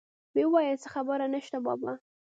ويې ويل هېڅ خبره نشته بابا.